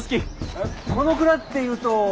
えっこの蔵っていうと。